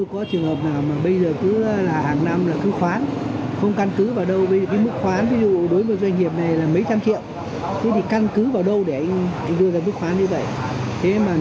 các đoàn thanh tra